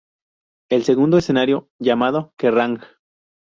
El segundo escenario, llamado Kerrang!